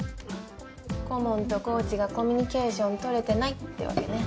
顧問とコーチがコミュニケーション取れてないってわけね。